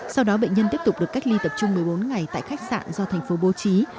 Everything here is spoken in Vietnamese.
sau đó bệnh nhân tiếp tục được cách ly tập trung một mươi bốn ngày tại khách sạn do thành phố bố trí